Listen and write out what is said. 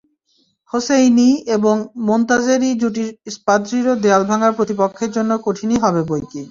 Hosseini এবং Montazeri জুটির ইস্পাতদৃঢ় দেয়াল ভাঙা প্রতিপক্ষের জন্য কঠিনই হবে বৈকি।